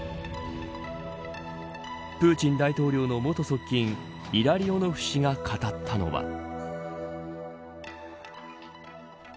プーチン大統領の元側近イラリオノフ氏が語ったのは。